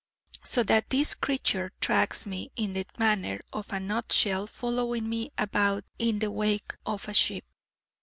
So that this creature tracks me in the manner of a nutshell following about in the wake of a ship.